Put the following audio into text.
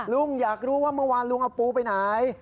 ลุงอยากรู้ว่าเมื่อวานลุงเอาปูไปไหน